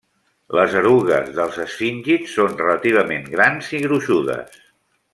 Les erugues dels esfíngids són relativament grans i gruixudes.